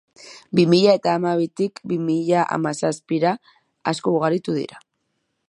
Bi mila eta hamabitik bi mila hamazazpira, asko ugaritu dira.